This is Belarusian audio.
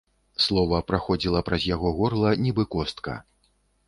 Слова праходзіла праз яго горла, нібы костка.